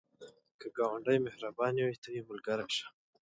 که ګاونډی مهربانه وي، ته یې ملګری شه